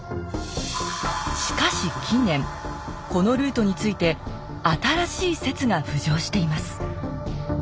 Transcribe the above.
しかし近年このルートについて新しい説が浮上しています